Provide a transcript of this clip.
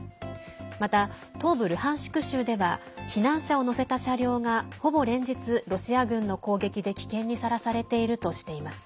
また、東部ルハンシク州では避難者を乗せた車両がほぼ連日、ロシア軍の攻撃で危険にさらされているとしています。